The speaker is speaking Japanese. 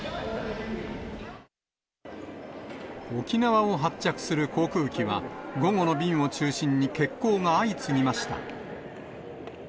沖縄を発着する航空機は、午後の便を中心に欠航が相次ぎました。